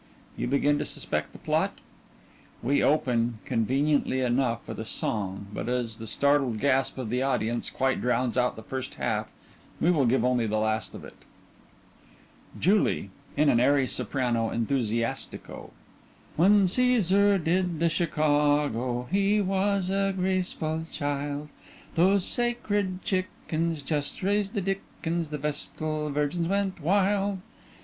You begin to suspect the plot?_ _We open, conventionally enough, with a song, but, as the startled gasp of the audience quite drowns out the first half, we will give only the last of it:_ JULIE: (In an airy sophrano enthusiastico) When Caesar did the Chicago He was a graceful child, Those sacred chickens Just raised the dickens The Vestal Virgins went wild.